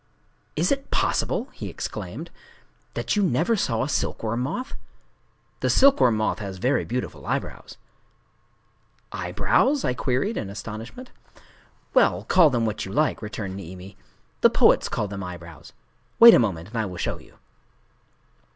"Is it possible," he exclaimed, "that you never saw a silkworm moth? The silkworm moth has very beautiful eyebrows." "Eyebrows?" I queried, in astonishment. "Well, call them what you like," returned Niimi;—"the poets call them eyebrows…. Wait a moment, and I will show you."